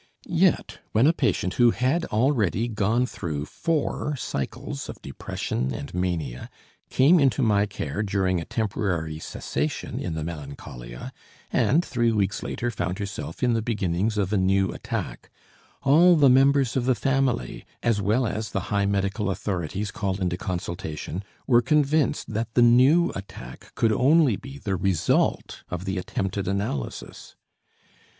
Yet when a patient who had already gone through four cycles of depression and mania came into my care during a temporary cessation in the melancholia, and three weeks later found herself in the beginnings of a new attack, all the members of the family as well as the high medical authorities called into consultation, were convinced that the new attack could only be the result of the attempted analysis.